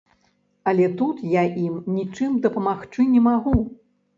Але тут я ім нічым дапамагчы не магу.